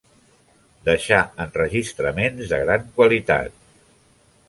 Deixà enregistraments de gran qualitat.